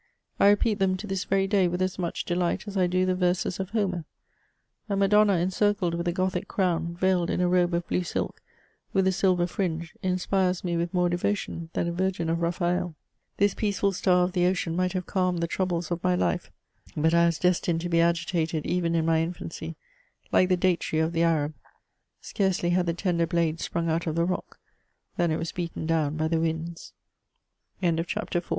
I repeat them to this very day with as much delight as I do the verses of Homer ; a Madonna encircled with a gothic crown, veiled in a robe of blue sUk, with a silver fringe, inspires me vnth more devotion than a Virgin of Raphael. This peaceful star of the ocean might have calmed the troubles of my life ; but I was destined to be agitated even in my infancy, ID^e the date tree of the Arab ; scarcely had the tender blade sprung out of the rock, than it was